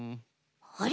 あれ？